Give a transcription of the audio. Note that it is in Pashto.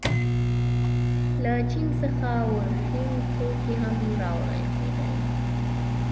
له چین څخه ورېښم توکي هم راوړل کېدل.